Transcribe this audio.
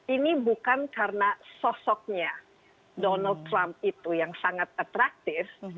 ini bukan karena sosoknya donald trump itu yang sangat atraktif